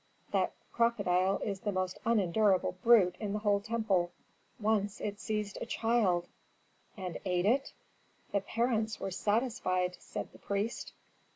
That crocodile is the most unendurable brute in the whole temple. Once it seized a child " "And ate it?" "The parents were satisfied!" said the priest.